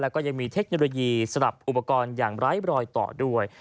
แล้วก็ยังมีเทคโนโลยีสลับอุปกรณ์อย่างไร้รอยต่อด้วย